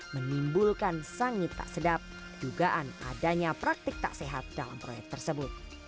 menimbulkan sangit tak sedap dugaan adanya praktik tak sehat dalam proyek tersebut